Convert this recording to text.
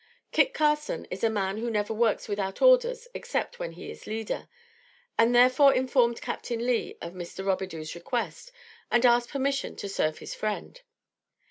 Kit Carson is a man who never works without orders except when he is leader. He therefore informed Captain Lee of Mr. Robidoux's request and asked permission to serve his friend.